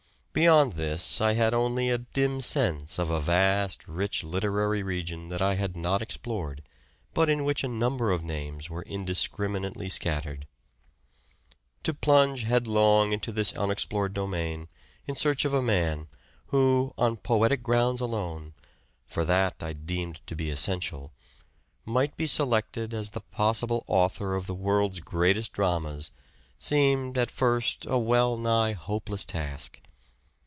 Beyond this I had only a dim sense of a vast, rich literary region that I had not explored, but in which a number of names were indiscriminately scattered. To plunge headlong into this unexplored domain in search of a man, who, on poetic grounds alone — for 136 " SHAKESPEARE " IDENTIFIED that I deemed to be essential — might be selected as the possible author of the world's greatest dramas, seemed, at first, a well nigh hopeless task.